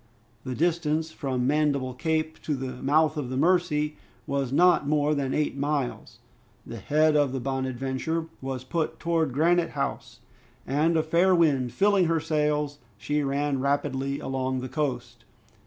The distance from Mandible Cape to the mouth of the Mercy was not more than eight miles. The head of the "Bonadventure" was put towards Granite House, and a fair wind filling her sails, she ran rapidly along the coast.